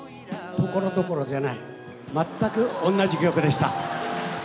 ところどころじゃない、全く同じ曲でした。